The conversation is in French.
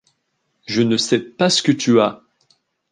Je ne sais pas ce que tu as.